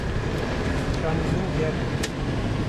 Canê min germ e.